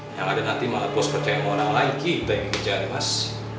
yang ada nanti malah bos percaya sama orang lagi baik dikijari mas